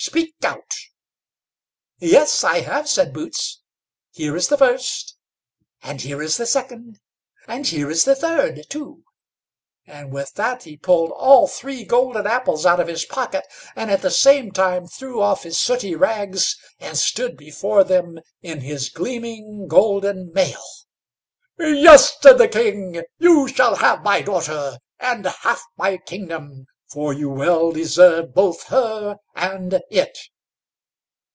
Speak out!" "Yes, I have," said Boots; "here is the first, and here is the second, and here is the third too;" and with that he pulled all three golden apples out of his pocket, and at the same time threw off his sooty rags, and stood before them in his gleaming golden mail. "Yes!" said the king; "you shall have my daughter, and half my kingdom, for you well deserve both her and it."